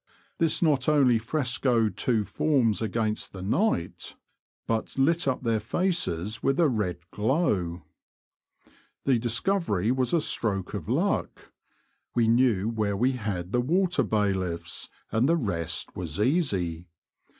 This not only frescoed two forms against the night, but 164 T^he Confessions of a T^oacher. lit up their faces with a red glow. The dis covery was a stroke of luck. We knew where we had the water bailiffs, and the rest was easy.